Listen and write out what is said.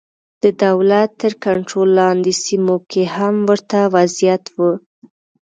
د دولت تر کنټرول لاندې سیمو کې هم ورته وضعیت و.